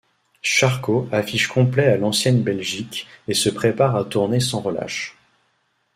Sharko affiche complet à l’Ancienne Belgique, et se prépare à tourner sans relâche.